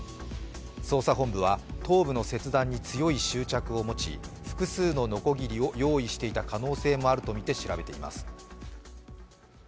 捜査本部は頭部の切断に強い執着を持ち複数ののこぎりを用意していた可能性もあるとみて調べています。